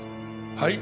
はい。